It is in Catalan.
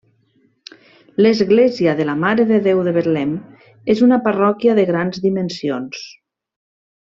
L'església de la Mare de Déu de Betlem és una parròquia de grans dimensions.